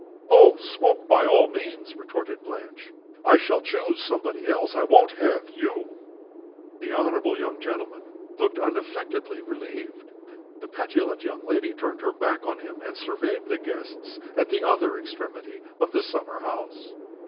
"Oh! smoke by all means!" retorted Blanche. "I shall choose somebody else. I won't have you!" The honorable young gentleman looked unaffectedly relieved. The petulant young lady turned her back on him, and surveyed the guests at the other extremity of the summer house.